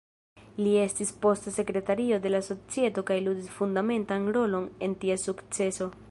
Li estis poste sekretario de la societo kaj ludis fundamentan rolon en ties sukceso.